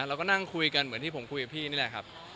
เราก็นั่งคุยกันเหมือนที่ผมคุยกับพี่นี่แหละครับ